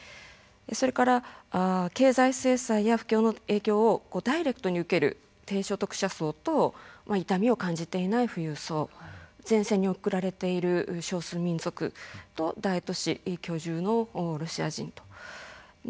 それから経済制裁や不況の影響をダイレクトに受ける低所得者層と痛みを感じていない富裕層前線に送られている少数民族と大都市居住のロシア人と。